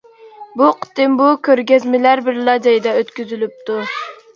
بۇ قېتىم بۇ كۆرگەزمىلەر بىرلا جايدا ئۆتكۈزۈلۈپتۇ.